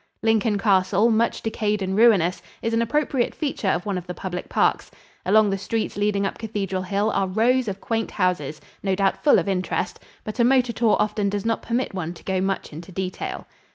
Lincoln Castle, much decayed and ruinous, is an appropriate feature of one of the public parks. Along the streets leading up Cathedral Hill are rows of quaint houses, no doubt full of interest; but a motor tour often does not permit one to go much into detail.